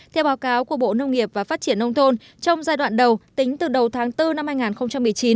theo báo cáo của bộ nông nghiệp và phát triển nông thôn trong giai đoạn đầu tính từ đầu tháng bốn năm hai nghìn một mươi chín